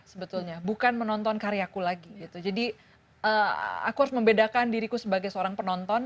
sebetulnya bukan menonton karyaku lagi gitu jadi aku harus membedakan diriku sebagai seorang penonton